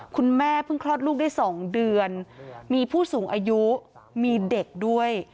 คุณแม่เพิ่งคลอดลูกได้๒เดือนมีผู้สูงอายุมีเด็กด้วย